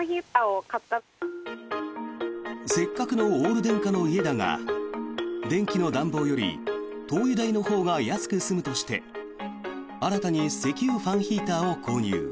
せっかくのオール電化の家だが電気の暖房より灯油代のほうが安く済むとして新たに石油ファンヒーターを購入。